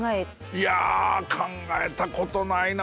いや考えたことないな。